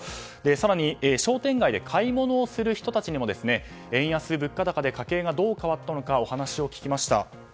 更に商店街で買い物をする人にも家計がどう変わったのかお話を聞きました。